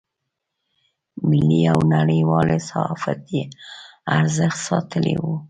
ملي او نړیوال صحافتي ارزښت ساتلی و.